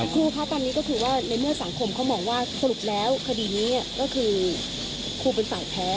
ครูคะตอนนี้ก็คือว่าในเมื่อสังคมเขามองว่าสรุปแล้วคดีนี้ก็คือครูเป็นฝ่ายแพ้